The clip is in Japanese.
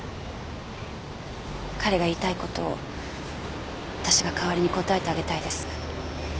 彼が言いたい事を私が代わりに答えてあげたいです。